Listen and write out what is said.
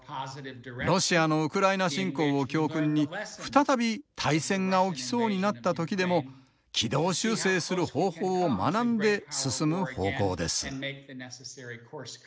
ロシアのウクライナ侵攻を教訓に再び大戦が起きそうになった時でも軌道修正する方法を学んで進む方向です。